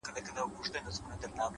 میکده په نامه نسته؛ هم حرم هم محرم دی؛